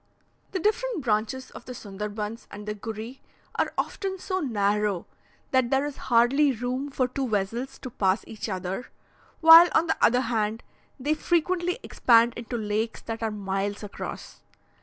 The different branches of the Sonderbunds and the Gury are often so narrow that there is hardly room for two vessels to pass each other; while, on the other hand, they frequently expand into lakes that are miles across.